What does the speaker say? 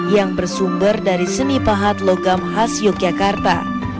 yang bersumber dari seni pahat logam khas yogyakarta